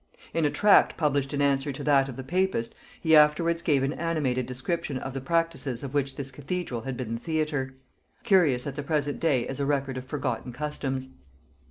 In a tract published in answer to that of the papist he afterwards gave an animated description of the practices of which this cathedral had been the theatre; curious at the present day as a record of forgotten customs.